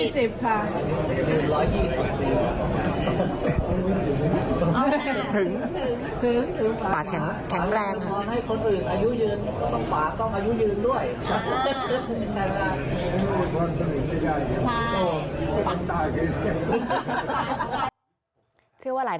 ชื่อว่าหลายท่านเลยค่ะ